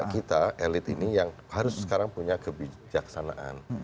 kita elit ini yang harus sekarang punya kebijaksanaan